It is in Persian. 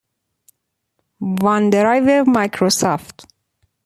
وان درایو مایکروسافت